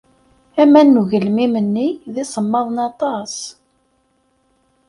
Aman n ugelmim-nni d isemmaḍen aṭas.